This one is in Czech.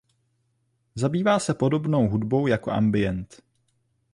Zabývá se podobnou hudbou jako ambient.